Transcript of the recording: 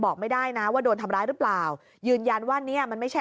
บอกไม่ได้นะว่าโดนทำร้ายหรือเปล่ายืนยันว่าเนี้ยมันไม่ใช่